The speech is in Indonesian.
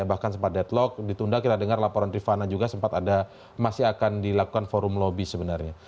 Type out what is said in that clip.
bahkan sempat deadlock ditunda kita dengar laporan rifana juga sempat ada masih akan dilakukan forum lobby sebenarnya